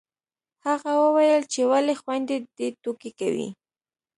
هغه وويل چې ولې خویندې دې ټوکې کوي